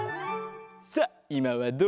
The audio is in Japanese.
さあいまはどうかな？